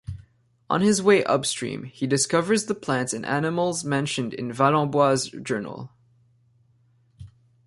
On his way upstream, he discovers the plants and animals mentioned in Valembois's journal.